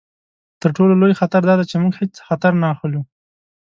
تر ټولو لوی خطر دا دی چې موږ هیڅ خطر نه اخلو.